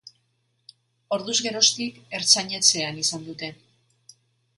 Orduz geroztik ertzain-etxean izan dute.